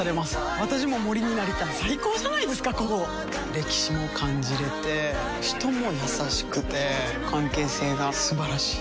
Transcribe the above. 歴史も感じれて人も優しくて関係性が素晴らしい。